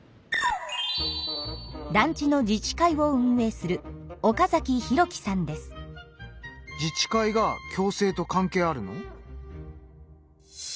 団地の自治会を運営する自治会が共生と関係あるの？